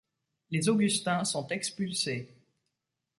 Les augustins sont expulsés.